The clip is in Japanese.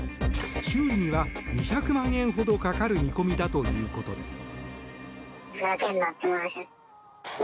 修理には２００万円ほどかかる見込みだということです。